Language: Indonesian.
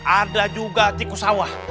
ada juga tikus sawah